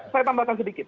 saya tambahkan sedikit